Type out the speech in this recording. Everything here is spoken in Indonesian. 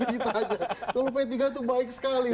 lalu p tiga itu baik sekali